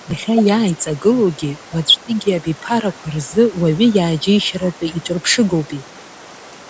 Иахьа иааиҵагылогьы уаҵәтәигьы абиԥарақәа рзы уаҩы иааџьеишьаратәы иҿырԥшыгоупе!